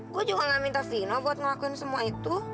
gue juga gak minta vino buat ngelakuin semua itu